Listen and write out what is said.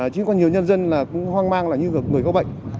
chứ có nhiều nhân dân hoang mang là như người có bệnh